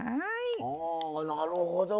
なるほど。